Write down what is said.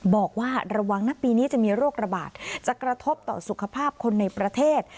บอกว่าระวังนะปีนี้จะมีโรคระบาดจะกระทบต่อสุขภาพคนในประเทศ